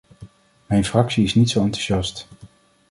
Mijn fractie is niet zo enthousiast.